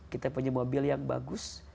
kita punya mobil yang bagus